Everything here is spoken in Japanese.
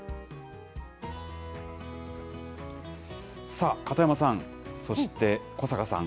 さあ、片山さん、そして小坂さん。